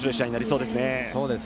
そうですね。